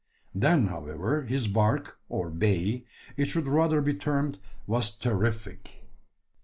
Then, however, his bark or bay, it should rather be termed was terrific.